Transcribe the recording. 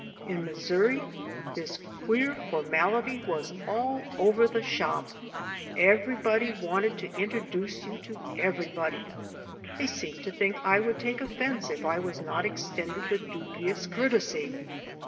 In Missouri this queer formal ity was all over the shop. Everybody wanted to intro duce you to everybody. They seemed to think I would take offense if I was not extended the dubious courtesy.